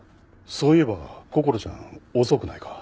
そういえばこころちゃん遅くないか？